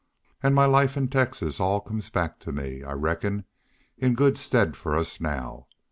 An' my life in Texas all comes back to me, I reckon, in good stead fer us now.